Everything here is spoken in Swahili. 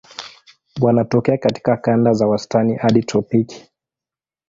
Wanatokea katika kanda za wastani hadi tropiki.